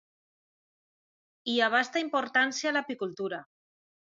Hi abasta importància l'apicultura.